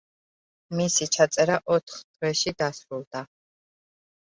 მისი ჩაწერა ოთხ დღეში დასრულდა.